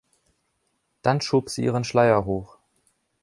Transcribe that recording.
Dann schob sie ihren Schleier hoch.